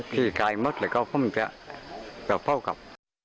พี่กายมัดแล้วก็เพราะมันจะเฝ้ากลับ